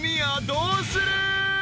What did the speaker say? どうする？］